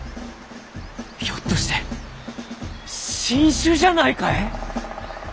ひょっとして新種じゃないかえ？